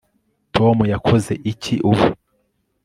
tom yakoze iki ubu